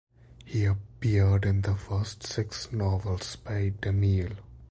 He appeared in the first six novels by DeMille.